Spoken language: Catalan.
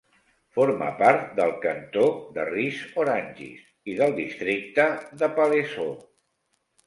Forma part del cantó de Ris-Orangis i del districte de Palaiseau.